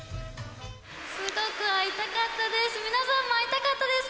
すごく会いたかったです。